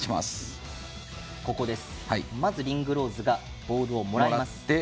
まずリングローズがボールをもらいます。